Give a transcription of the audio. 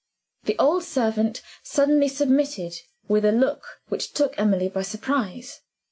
The old servant suddenly submitted with a look which took Emily by surprise.